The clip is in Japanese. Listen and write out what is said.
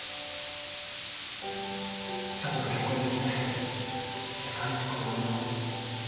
佐都と結婚できて世界一幸運だなって